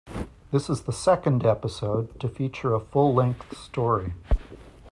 This is the second episode to feature a full length story.